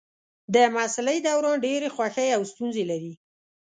د محصلۍ دوران ډېرې خوښۍ او ستونزې لري.